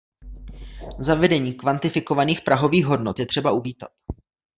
Zavedení kvantifikovaných prahových hodnot je třeba uvítat.